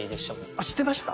あ知ってました？